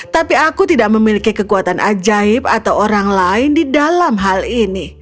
tapi aku tidak memiliki kekuatan ajaib atau orang lain di dalam hal ini